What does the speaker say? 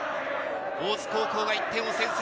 大津高校が１点を先制。